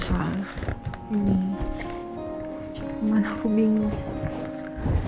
cuman aku bingung